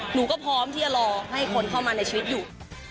หนูก็พร้อมที่จะรอให้คนเข้ามาในชีวิตอยู่